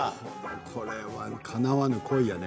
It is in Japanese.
これはかなわぬ恋やね。